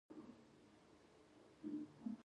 د "Made in Afghanistan" لیبل ارزښت لري؟